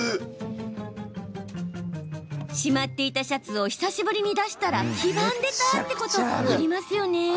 しまっていたシャツを久しぶりに出したら、黄ばんでたってことありますよね？